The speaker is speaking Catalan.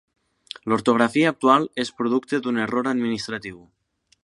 L'ortografia actual és producte d'un error administratiu.